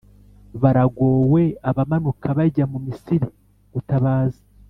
Baragowe! Abamanuka bajya mu Misiri gutabaza!